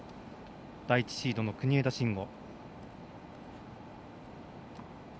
第１シードの国枝慎吾。